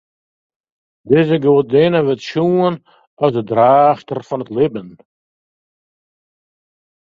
Dizze goadinne wurdt sjoen as de draachster fan it libben.